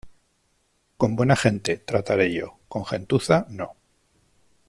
Con buena gente, trataré yo; con gentuza, no.